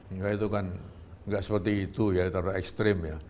enggak itu kan nggak seperti itu ya taruh ekstrim ya